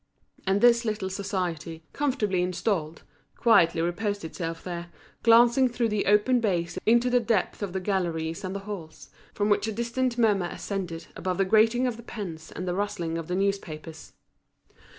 And this little society, comfortably installed, quietly reposed itself there, glancing through the open bays into the depths of the galleries and the halls, from which a distant murmur ascended above the grating of the pens and the rustling of the newspapers.